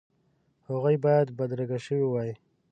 هغوی باید بدرګه شوي وای.